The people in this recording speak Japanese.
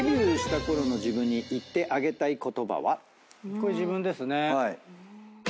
これ自分ですね。